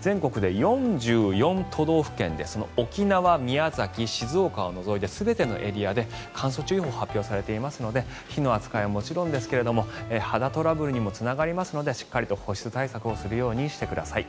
全国で４４都道府県で沖縄、宮崎、静岡を除いて全てのエリアで乾燥注意報が発表されていますので火の扱いはもちろんですが肌トラブルにもつながりますのでしっかりと保湿対策をするようにしてください。